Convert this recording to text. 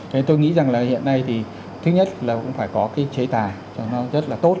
cho nên tôi nghĩ rằng là hiện nay thì thứ nhất là cũng phải có cái chế tài cho nó rất là tốt